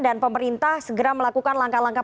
dan pemerintah segera melakukan langkah langkah